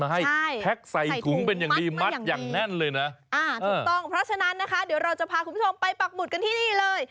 ถูกต้องเพราะฉะนั้นเดี๋ยวเราจะพาคุณผู้ชมไปปรักบุตรกันที่นี่เลย